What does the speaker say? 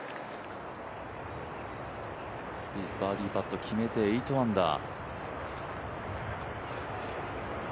スピースバーディーパットを決めて８アンダー。